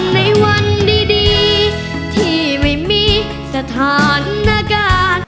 ในวันดีที่ไม่มีสถานการณ์